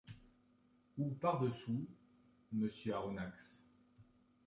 Ou par-dessous, monsieur Aronnax.